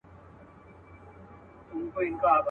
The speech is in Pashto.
هسي نه چي دا یو ته په زړه خوږمن یې.